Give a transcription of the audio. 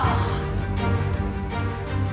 bagaimana cara mereka